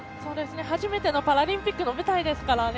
初めてのパラリンピックの舞台ですからね。